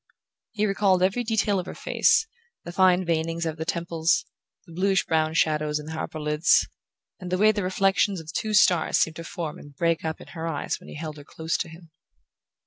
He recalled every detail of her face, the fine veinings of the temples, the bluish brown shadows in her upper lids, and the way the reflections of two stars seemed to form and break up in her eyes when he held her close to him...